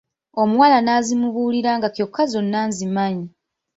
Omuwala n'azimubuulira nga kyokka zonna nzimanyi.